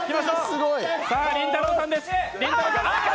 りんたろーさんです。